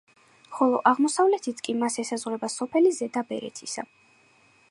ხოლო აღმოსავლეთით კი მას ესაზღვრება სოფელი ზედა ბერეთისა.